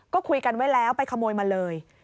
ก็คุยกันไว้แล้วไปขโมยมาเลย